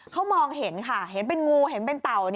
เขามองเห็นค่ะเห็นเป็นงูเห็นเป็นเต่า